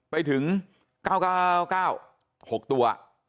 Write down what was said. ไปถึง๙๙๙๙๖ตัว